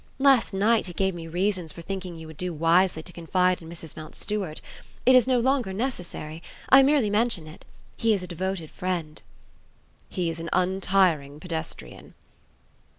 Last night he gave me reasons for thinking you would do wisely to confide in Mrs. Mountstuart. It is no longer necessary. I merely mention it. He is a devoted friend." "He is an untiring pedestrian."